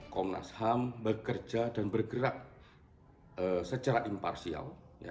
komnas ham bekerja dan bergerak secara imparsial